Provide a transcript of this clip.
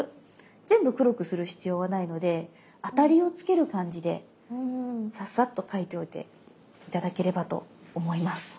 全部黒くする必要はないので当たりを付ける感じでサッサッと描いておいて頂ければと思います。